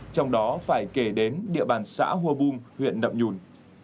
trong đó phải kể đến địa bàn xã hua bung huyện nậm nhùn